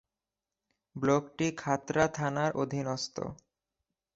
ব্লকটি খাতড়া থানার অধীনস্থ।